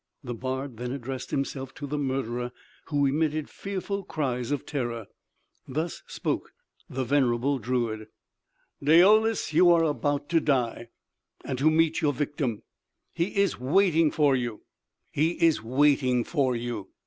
'" The bard then addressed himself to the murderer, who emitted fearful cries of terror. Thus spoke the venerable druid: "Daoulas, you are about to die ... and to meet your victim.... _He is waiting for you, he is waiting for you!